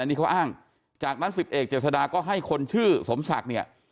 อันนี้เขาอ้างจากนั้นสิบเอกเจษฎาก็ให้คนชื่อสมศักดิ์เนี่ย